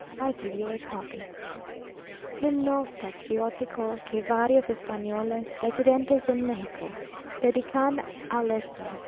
I give you a copy: Himno Patriotico que varios Espanoles, Residentes en Mexico, dedican al Esmo.